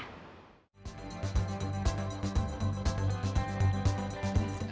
nilai investasi ke perusahaan startup